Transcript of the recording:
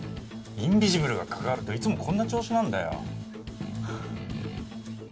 インビジブルが関わるといつもこんな調子なんだよ